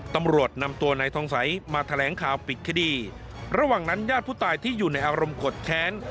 ตำรวจนำตัวนายทองสัยมาแถลงข่าวปิดคดีระหว่างนั้นญาติผู้ตายที่อยู่ในอารมณ์กดแค้น